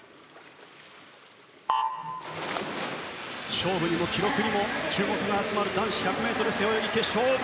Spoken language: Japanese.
勝負にも記録にも注目が集まる男子１００ｍ背泳ぎ決勝。